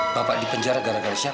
bapak di penjara gara gara siapa